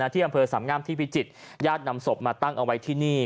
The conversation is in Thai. ที่อำเภอสามงามที่พิจิตรญาตินำศพมาตั้งเอาไว้ที่นี่